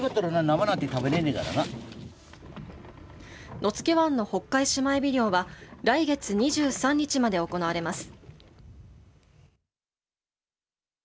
野付湾のホッカイシマエビ漁は来月２３日まで行われます。